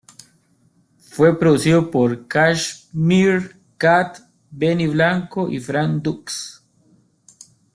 Fue producido por Cashmere Cat, Benny Blanco y Frank Dukes.